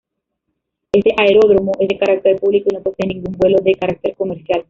Este aeródromo es de carácter público y no posee ningún vuelo de carácter comercial.